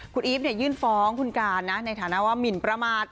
คุณอีฟยื่นฟ้องคุณการนะในฐานะว่าหมินประมาท